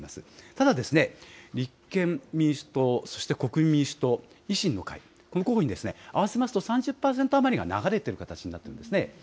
ただ、立憲民主党、そして国民民主党、維新の会、合わせますと３０％余りが流れている形なっています。